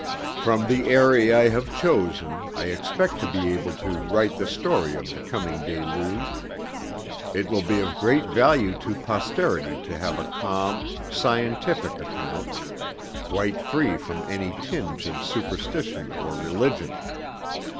From the eyrie I have chosen I expect to be able to write the story of the coming deluge. It will be of great value to posterity to have a calm, scientific account, quite free from any tinge of superstition or religion.